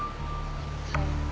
はい。